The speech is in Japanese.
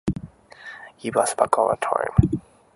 Give us back our time.